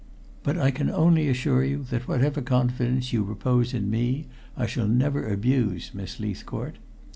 "But I can only assure you that whatever confidence you repose in me, I shall never abuse, Miss Leithcourt."